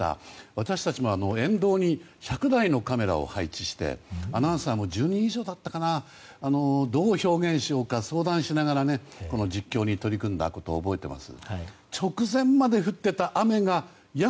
私たちも沿道に１００台のカメラを配置してアナウンサーも１０人以上だったかどう表現しようか相談しながら実況に取り組んだことを覚えています。